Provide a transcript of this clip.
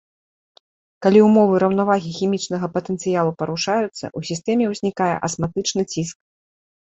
Калі ўмовы раўнавагі хімічнага патэнцыялу парушаюцца, у сістэме ўзнікае асматычны ціск.